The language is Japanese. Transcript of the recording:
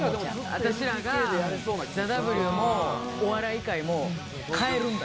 私らが、ＴＨＥＷもお笑い界も変えるんだ。